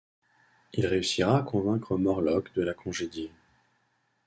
Il réussira à convaincre Morlock de la congédier.